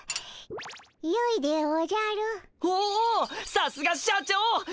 さすが社長っ！